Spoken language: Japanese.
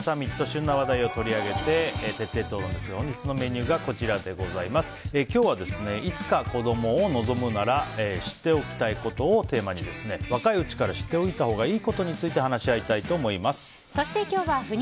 旬な話題を取り上げて徹底討論ですが今日はいつか子供を望むなら知っておきたいことをテーマに若いうちから知っておいたほうがいいことについて話し合いたいと思います。